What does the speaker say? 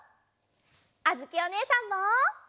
あづきおねえさんも！